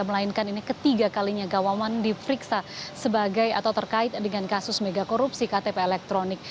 melainkan ini ketiga kalinya gawawan diperiksa sebagai atau terkait dengan kasus megakorupsi ktp elektronik